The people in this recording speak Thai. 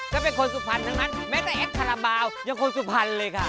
ก็เป็นคนสุภัณฑ์ทั้งนั้นแม้ในแอศคลาบาลยังคนสุภัณฑ์เลยค่ะ